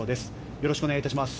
よろしくお願いします。